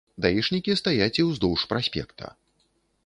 Даішнікі стаяць і ўздоўж праспекта.